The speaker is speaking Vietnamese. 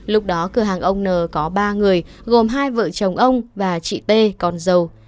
lúc đó cửa hàng ông n có ba người gồm hai vợ chồng ông và chị t con dâu